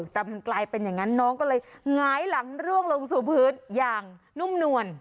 แต่มันกลายเป็นอย่างนั้นน้องก็เลยหงายหลังร่วงลงสู่พื้นอย่างนุ่มนวล